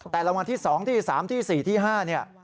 แต่รางวัลที่๒ที่๓ที่๔ที่๕เนี่ย